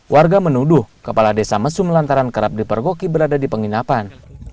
warga menuduh kepala desa mesum lantaran kerap dipergoki berada di penginapan